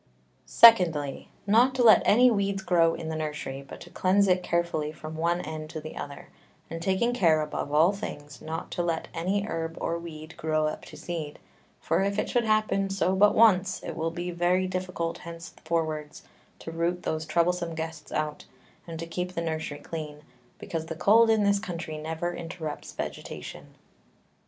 Secondly, Not to let any Weeds grow in the Nursery, but to cleanse it carefully from one end to the other, and taking care, above all things, not to let any Herb or Weed grow up to Seed; for if it should happen so but once, it will be very difficult thenceforwards to root those troublesome Guests out, and to keep the Nursery clean, because the Cold in this Country never interrupts Vegetation.